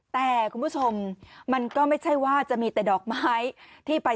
แต่คุณผู้ชมมันก็ไม่ใช่ว่าจะมีแต่ดอกไม้ที่ไป